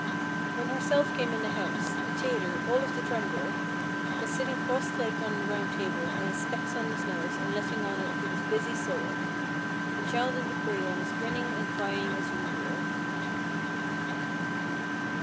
When Herself came in the house, the tailor, all of a tremble, was sitting cross legged on the round table and his spec's on his nose and letting on that he was busy sewing; the child in the cradle was grinning and crying as usual.